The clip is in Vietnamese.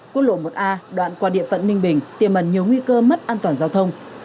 quốc lộ một a đoạn qua địa phận ninh bình tiềm ẩn nhiều nguy cơ mất an toàn giao thông